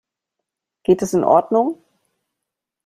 Geht das in Ordnung?